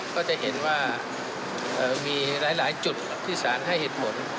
ก็จะเห็นว่ามีหลายจุดที่สารให้เหตุผล